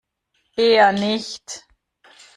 Eher nicht.